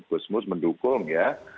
gusmus mendukung ya